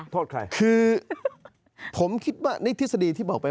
โทษใครคือผมคิดว่านิทฤษฎีที่บอกไป